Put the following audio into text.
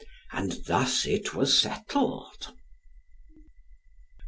And thus it was settled.